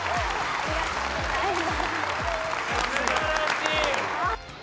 ありがとうございます。